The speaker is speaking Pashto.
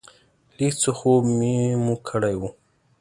لږ څه خوب مو کړی و.